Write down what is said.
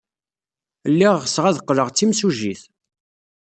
Lliɣ ɣseɣ ad qqleɣ d timsujjit.